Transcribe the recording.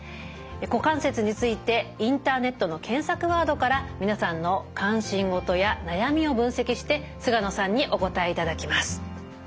股関節についてインターネットの検索ワードから皆さんの関心事や悩みを分析して菅野さんにお答えいただきます。